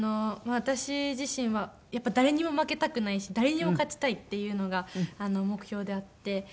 私自身はやっぱり誰にも負けたくないし誰にでも勝ちたいっていうのが目標であって。